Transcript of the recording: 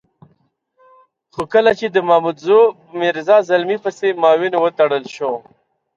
خو کله چې د مامدزو په میرزا زلمي پسې معاون وتړل شو.